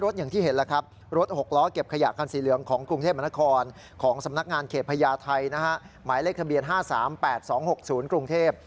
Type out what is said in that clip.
ทะเบียน๕๓๘๒๖๐กรุงเทพฯ